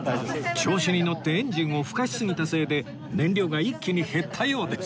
調子に乗ってエンジンをふかしすぎたせいで燃料が一気に減ったようです